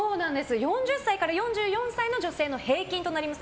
４０歳から４４歳の女性の平均となります。